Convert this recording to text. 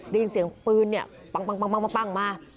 ได้ยินเสียงปืนปั๊งมา